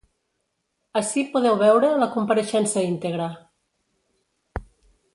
Ací podeu veure la compareixença íntegra.